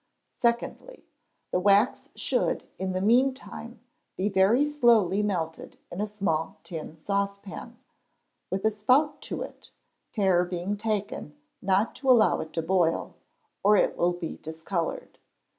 Secondly. The wax should in the meantime be very slowly melted in a small tin saucepan, with a spout to it, care being taken not to allow it to boil, or it will be discoloured.